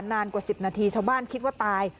นานกว่า๑๐นาทีชาวบ้านคิดว่าตาย